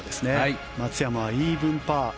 松山はイーブンパー。